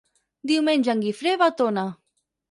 Diumenge en Guifré va a Tona.